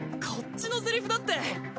こっちのセリフだって。